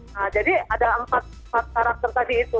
nah jadi ada empat karakter tadi itu